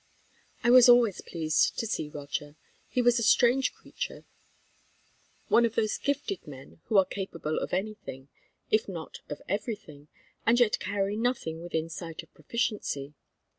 I was always pleased to see Roger. He was a strange creature, one of those gifted men who are capable of any thing, if not of every thing, and yet carry nothing within sight of proficiency.